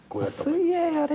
・水泳やれ。